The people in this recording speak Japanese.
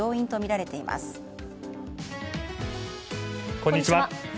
こんにちは。